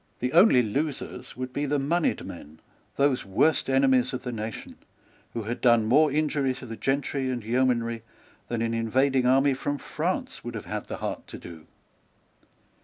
The only losers would be the moneyed men, those worst enemies of the nation, who had done more injury to the gentry and yeomanry than an invading army from France would have had the heart to do.